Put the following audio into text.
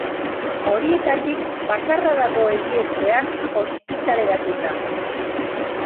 Horietatik bakarra dago erietxean ospitaleratuta.